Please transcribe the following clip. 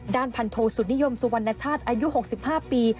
ด้านพันโทสุนิยมสุวรรณชาติอายุ๖๕ปี